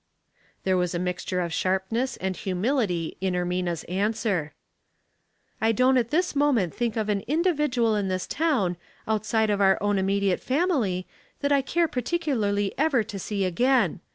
There was a mixture of sharpness and hu mility in Ermina's answer, — "I don't at this moment think of an indi vidual in this town, outside of our own imme diate family, that I care particularly ever to see again.